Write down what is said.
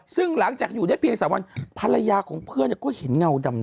ซึ่งหลังจากอยู่ได้เพียง๓วันภรรยาของเพื่อนก็เห็นเงาดำ